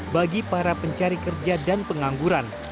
bagi para pencari kerja dan pengangguran